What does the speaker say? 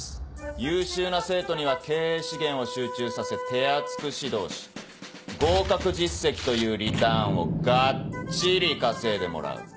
優秀な生徒には経営資源を集中させ手厚く指導し合格実績というリターンをがっちり稼いでもらう。